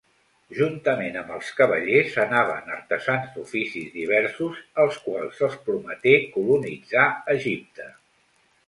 Juntament amb els cavallers anaven artesans d'oficis diversos als quals se'ls prometé colonitzar Egipte.